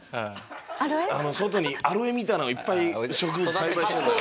外にアロエみたいなのをいっぱい植物栽培してるのよ。